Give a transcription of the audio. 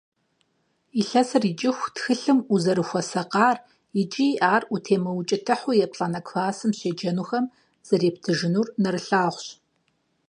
Илъэсыр икӀыху тхылъым узэрыхуэсакъар икӀи ар утемыукӀытыхьу еплӀанэ классым щеджэнухэм зэрептыжынур нэрылъагъущ.